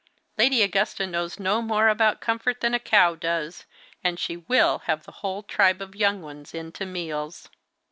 Lady Augusta knows no more about comfort than a cow does, and she will have the whole tribe of young ones in to meals."